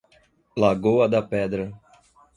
Lago da Pedra